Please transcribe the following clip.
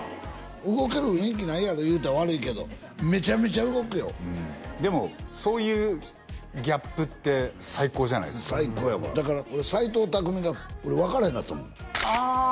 動ける雰囲気ないやんか言うたら悪いけどめちゃめちゃ動くようんでもそういうギャップって最高じゃないですか最高やわだから俺斎藤工が分からへんかったもんあ！